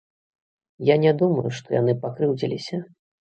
Я не думаю, што яны пакрыўдзіліся.